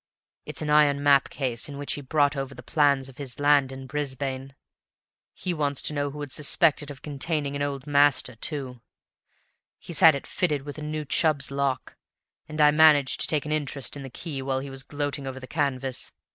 It's an iron map case in which he brought over the plans of his land in Brisbane; he wants to know who would suspect it of containing an Old Master, too? But he's had it fitted with a new Chubb's lock, and I managed to take an interest in the key while he was gloating over the canvas.